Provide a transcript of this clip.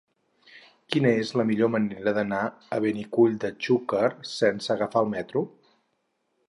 Quina és la millor manera d'anar a Benicull de Xúquer sense agafar el metro?